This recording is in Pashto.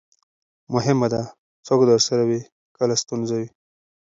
مهمه ده، څوک درسره وي کله ستونزه وي.